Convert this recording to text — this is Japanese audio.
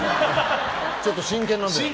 ちょっと真剣なんで。